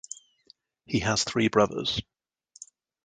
He has three brothers.